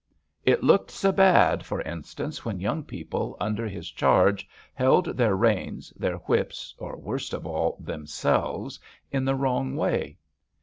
"It looked se bad," for instance, when young people under his charge held their reins, their whips, or, worst of dl, themselves in the wrong way.